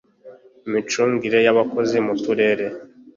imicungire y’abakozi mu turere: